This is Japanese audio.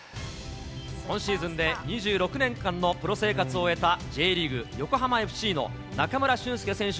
今シーズンで２６年間のプロ生活を終えたＪリーグ・横浜ＦＣの中村俊輔選手